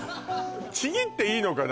ちぎっていいのかな？